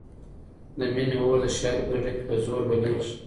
د مینې اور د شاعر په زړه کې په زور بلېږي.